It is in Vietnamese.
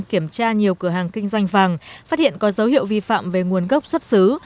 kiểm tra nhiều cửa hàng kinh doanh vàng phát hiện có dấu hiệu vi phạm về nguồn gốc xuất xứ